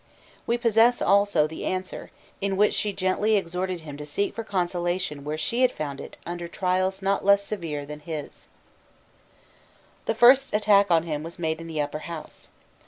We possess, also, the answer, in which she gently exhorted him to seek for consolation where she had found it under trials not less severe than his, The first attack on him was made in the Upper House.